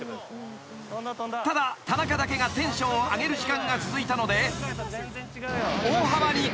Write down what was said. ［ただ田中だけがテンションを上げる時間が続いたので］